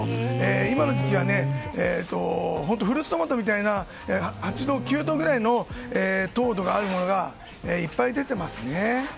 今の時期は本当フルーツトマトのような８度、９度くらいの糖度があるものがいっぱい出ていますね。